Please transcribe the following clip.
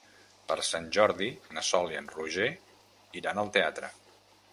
Per Sant Jordi na Sol i en Roger iran al teatre.